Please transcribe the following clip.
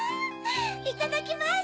いただきます！